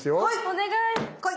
お願い。